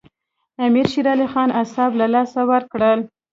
امیر شېر علي خان اعصاب له لاسه ورکړل.